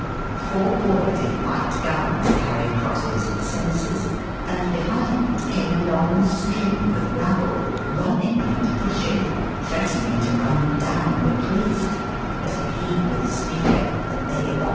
Four boys in white gowns carried crosses and censors, and. behind came a long string of rabble, running and push ing, threatening to run down the priest, as if he were the Speaker, and they hon.